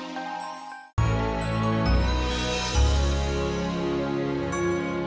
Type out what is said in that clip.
sampai jumpa lagi